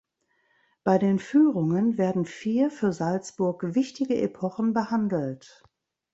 Bei den Führungen werden vier für Salzburg wichtige Epochen behandelt.